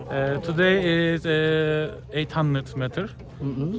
ketika berjalan dengan berat saya terbentuk mulus